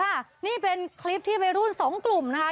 ค่ะนี่เป็นคลิปที่วัยรุ่นสองกลุ่มนะคะ